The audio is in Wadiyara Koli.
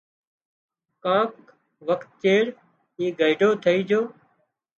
ڪانڪ وکت چيڙ اي گئيڍو ٿئي جھو